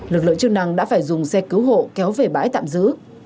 lực lượng chức năng đã phải dùng xe cứu hộ kéo về bãi tạm giữ